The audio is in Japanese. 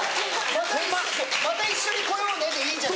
「また一緒に来ようね」でいいじゃないですか。